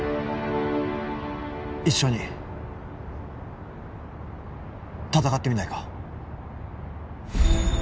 一緒に戦ってみないか？